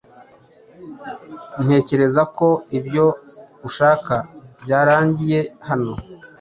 Ntekereza ko ibyo ushaka byarangiye hano.